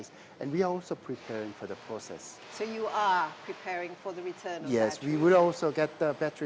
ya kita sedang bersiap untuk kembangkan baterai